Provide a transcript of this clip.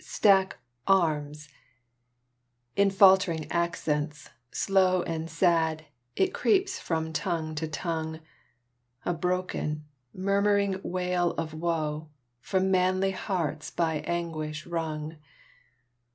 "Stack Arms!" In faltering accents, slow And sad, it creeps from tongue to tongue, A broken, murmuring wail of woe, From manly hearts by anguish wrung.